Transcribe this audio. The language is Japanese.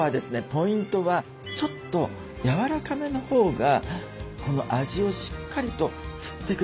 ポイントはちょっとやわらかめのほうがこの味をしっかりと吸ってくれる。